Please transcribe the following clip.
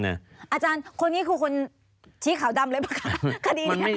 อาจารย์คนนี้เป็นคนชี้ขาวดำเลยไหมค่ะ